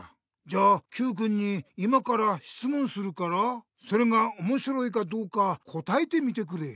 じゃあＱくんに今からしつもんするからそれがおもしろいかどうか答えてみてくれ。